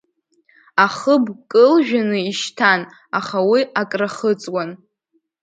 Ахыб кылжәаны ишьҭан, аха уи акрахыҵуан.